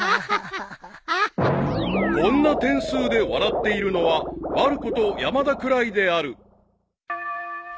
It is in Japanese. ［こんな点数で笑っているのはまる子と山田くらいである］